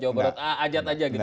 jawa barat ajat aja gitu